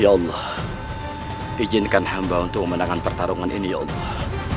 ya allah izinkan hamba untuk memenangkan pertarungan ini ya allah